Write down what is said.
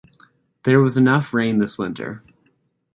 There was enough rain this winter.